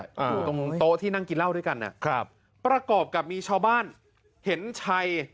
อยู่ตรงโต๊ะที่นั่งกินเหล้าด้วยกันอ่ะครับประกอบกับมีชาวบ้านเห็นชัย